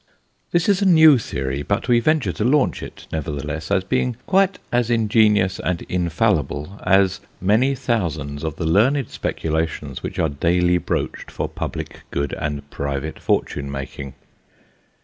This is a new theory, but we venture to launch it, nevertheless, as being quite as ingenious and infallible as many thousands of the learned speculations which are daily broached for public good and private fortune making.